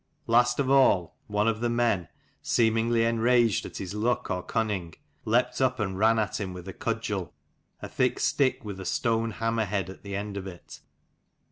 Last of all one of the men, seemingly enraged at his luck or cunning leaped up and ran at him with a cudgel, a thick stick with a stone hammer head at the end of it.